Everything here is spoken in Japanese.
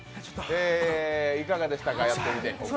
いかがでしたか、やってみて。